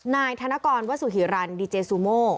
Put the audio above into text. นายธนกรวสุฮิรันดีเจซูโม